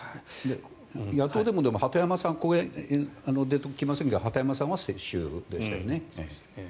野党でもここでは出てきませんが鳩山さんは世襲でしたよね。